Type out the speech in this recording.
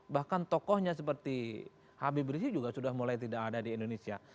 bahkan tokohnya seperti habib rizik juga sudah mulai tidak ada di indonesia